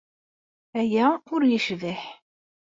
Aya ur yecbiḥ.